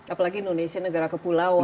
apalagi indonesia negara kepulauan